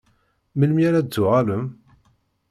Melmi ara d-tuɣalem?